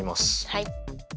はい。